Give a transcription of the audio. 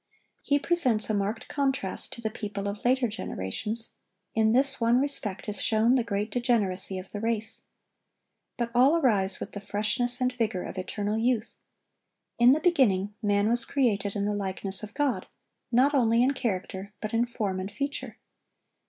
He presents a marked contrast to the people of later generations; in this one respect is shown the great degeneracy of the race. But all arise with the freshness and vigor of eternal youth. In the beginning, man was created in the likeness of God, not only in character, but in form and feature.